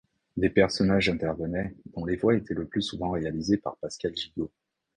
Des personnages intervenaient, dont les voix étaient le plus souvent réalisées par Pascal Gigot.